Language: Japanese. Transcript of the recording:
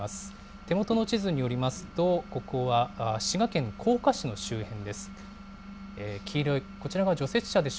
手元の地図によりますと、ここは滋賀県甲賀市の周辺です。